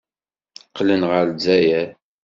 Qqlen ɣer Lezzayer.